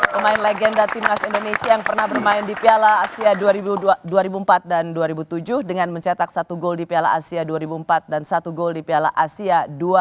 pemain legenda timnas indonesia yang pernah bermain di piala asia dua ribu empat dan dua ribu tujuh dengan mencetak satu gol di piala asia dua ribu empat dan satu gol di piala asia dua ribu dua puluh